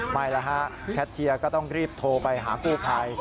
ไม่แล้วฮะแคทเชียร์ก็ต้องรีบโทรไปหากู้ภัย